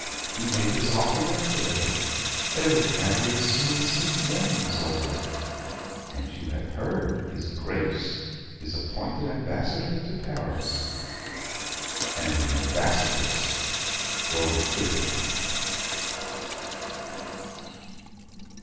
"He made his offer yesterday. They will marry as soon as his mourning is over; and you have heard his Grace is appointed Ambassador to Paris; and the Ambassadress goes with him."